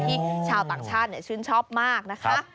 ชาวต่างชาติชื่นชอบมากนะคะ